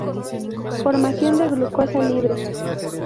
Formación de glucosa libre.